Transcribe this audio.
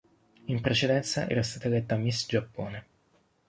In precedenza era stata eletta Miss Giappone.